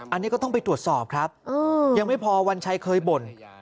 อันนี้ก็ต้องไปตรวจสอบครับยังไม่พอวันชัยเคยบ่น